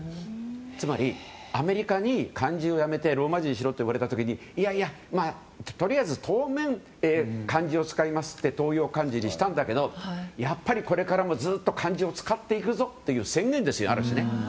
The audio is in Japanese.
つまりアメリカに漢字をやめてローマ字にしろといわれた時に、いやいや当面、漢字を使いますって当用漢字にしたんだけどやっぱりこれからもずっと漢字を使っていくぞという宣言ですね、ある種。